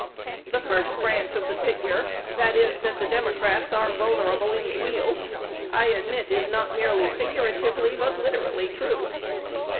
The first branch of the figure, that is, that the Democrats are vulnerable in the heel, I admit is not merely figuratively but literally true.